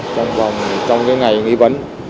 trong cái ngày nghi vấn